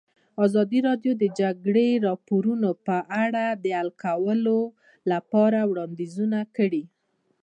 ازادي راډیو د د جګړې راپورونه په اړه د حل کولو لپاره وړاندیزونه کړي.